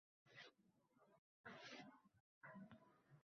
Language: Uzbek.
Nega o‘yga botding, ne kechdi holing?!